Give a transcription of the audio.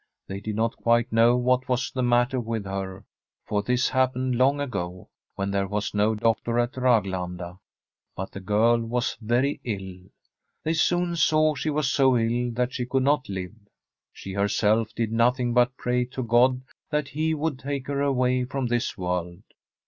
They did not quite know what was the matter with her, for this happened long ago, when there was no doctor at Raglanda, but the girl was very ill. They soon saw she was so ill that she could not live. She herself did nothing but pray to God that He would take her away from this world.